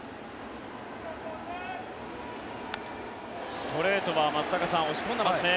ストレートは松坂さん押し込んでますね。